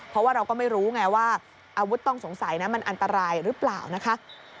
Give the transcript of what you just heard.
เพราะว่าเราก็ไม่รู้ไงว่าอาวุธต้องสงสัยนั้นมันอันตรายหรือเปล่านะคะ